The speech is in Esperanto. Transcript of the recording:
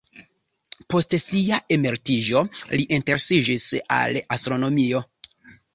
Post sia emeritiĝo li interesiĝis al astronomio.